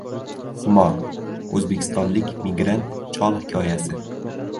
«Xumor». O‘zbekistonlik migrant chol hikoyasi